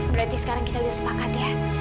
berarti sekarang kita udah sepakat ya